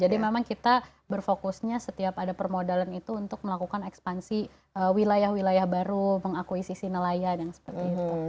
jadi memang kita berfokusnya setiap ada permodalan itu untuk melakukan ekspansi wilayah wilayah baru mengakuisisi nelayan dan seperti itu